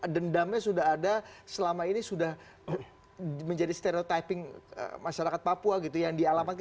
dendamnya sudah ada selama ini sudah menjadi stereotyping masyarakat papua gitu yang dialamatkan